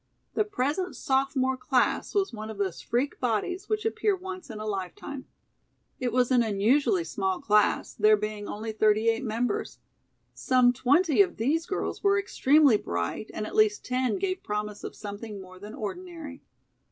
The present sophomore class was one of those "freak" bodies which appear once in a life time. It was an unusually small class, there being only thirty eight members. Some twenty of these girls were extremely bright and at least ten gave promise of something more than ordinary.